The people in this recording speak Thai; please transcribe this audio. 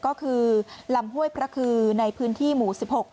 ก็คือลำห้วยพระคือในพื้นที่หมู่๑๖